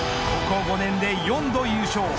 ここ５年で４度優勝